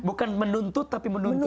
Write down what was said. bukan menuntut tapi menuntun